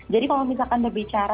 jadi kalau misalkan berbicara